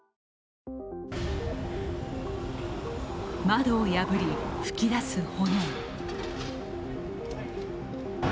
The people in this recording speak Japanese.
窓を破り、噴き出す炎。